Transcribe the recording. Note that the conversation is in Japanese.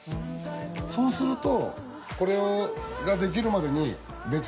そうすると。